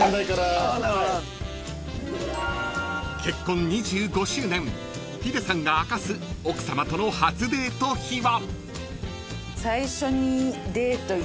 ［結婚２５周年ヒデさんが明かす奥さまとの初デート秘話］